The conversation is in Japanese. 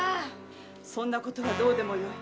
そんなことはどうでもよい。